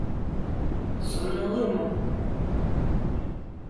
Sorun olur mu?